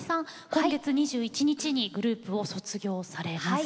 今月２１日にグループを卒業されます。